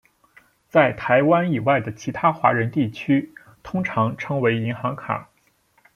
在台湾以外的其他华人地区通常称为银行卡。